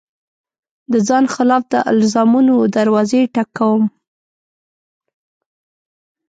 د ځان خلاف د الزامونو دروازې ټک وم